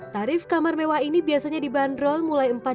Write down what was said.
tarif kamar mewah ini biasanya dibanderol mulai empat